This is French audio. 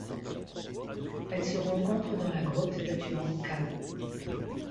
Elle se rencontre dans la grotte Latuan Cave.